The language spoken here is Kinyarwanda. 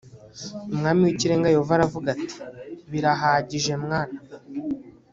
umwami w ikirenga yehova aravuga ati birahagije mwana